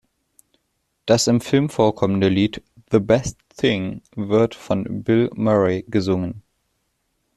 Das im Film vorkommende Lied "The Best Thing" wird von Bill Murray gesungen.